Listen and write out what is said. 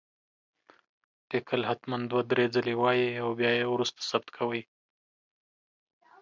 ليکل هتمن دوه دري ځلي وايي او بيا يي وروسته ثبت کوئ